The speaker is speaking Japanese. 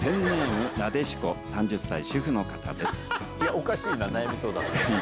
おかしいな悩み相談で。